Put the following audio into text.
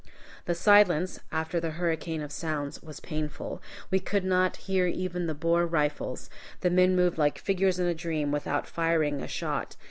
The silence, after the hurricane of sounds, was painful; we could not hear even the Boer rifles. The men moved like figures in a dream, without firing a shot.